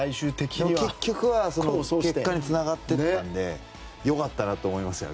でも、結局は結果につながったので良かったなと思いますよ。